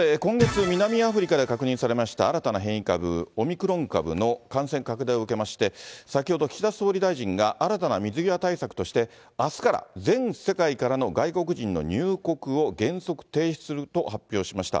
さて、今月、南アフリカで確認されました、新たな変異株、オミクロン株の感染拡大を受けまして、先ほど、岸田総理大臣が新たな水際対策として、あすから全世界からの外国人の入国を原則停止すると発表しました。